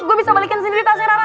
gue bisa balikin sendiri tasnya rara